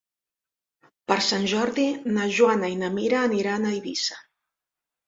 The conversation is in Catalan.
Per Sant Jordi na Joana i na Mira aniran a Eivissa.